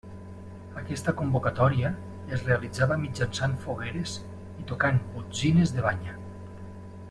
Aquesta convocatòria es realitzava mitjançant fogueres i tocant botzines de banya.